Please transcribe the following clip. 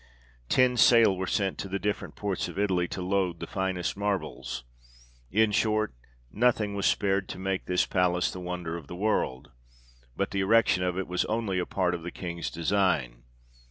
Ten sail were sent to the different ports of Italy, to load the finest marbles. In short, nothing was spared to make this palace the wonder of the world ;* but the erection of it was only a part of the King's design.